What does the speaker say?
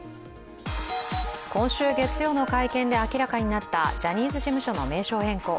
今週月曜の会見で明らかになったジャニーズ事務所の名称変更。